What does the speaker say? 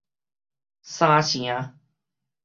三城